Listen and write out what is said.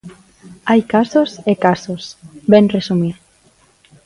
Hai casos e casos, vén resumir.